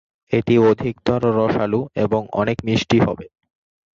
এটি অধিকতর রসালো এবং অনেক বেশি মিষ্টি হবে।